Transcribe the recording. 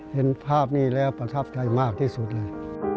เห็นภาพนี้แล้วประทับใจมากที่สุดเลย